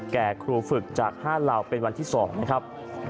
แก่ครูฝึกจาก๕เหล่าเป็นวันที่๒นะครับ